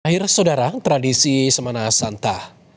akhirnya saudara tradisi semana santa